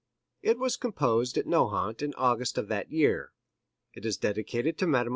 It was composed at Nohant in August of that year. It is dedicated to Mme.